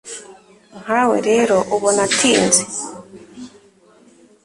Nkawe rero ubona atinze